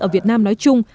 ở việt nam nói chung